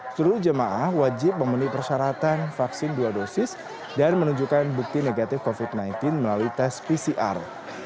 seluruh jemaah wajib memenuhi persyaratan vaksin dua dosis dan menunjukkan bukti negatif covid sembilan belas melalui tes pcr